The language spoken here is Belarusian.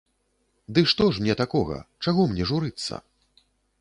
Ды што ж мне такога, чаго мне журыцца?